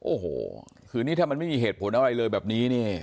โอ้โหคือนี่ถ้ามันไม่มีเหตุผลอะไรเลยแบบนี้นี่